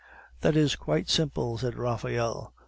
"That is quite simple," said Raphael.